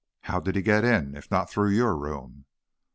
"How did he get in, if not through your room?"